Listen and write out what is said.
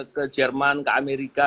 ke jerman ke amerika